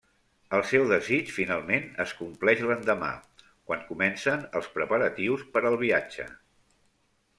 El seu desig finalment es compleix l'endemà, quan comencen els preparatius per al viatge.